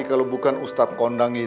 kalau bukan ustad kondang itu